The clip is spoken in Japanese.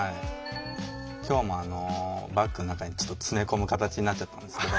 今日もバッグの中にちょっと詰め込む形になっちゃったんですけど。